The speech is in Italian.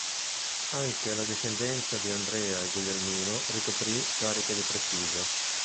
Anche la discendenza di Andrea e Guglielmino ricoprì cariche di prestigio.